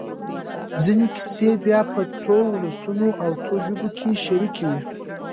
ځينې کیسې بیا په څو ولسونو او څو ژبو کې شریکې وي.